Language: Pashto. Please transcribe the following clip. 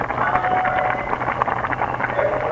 دانه دانه راڅځه غواړي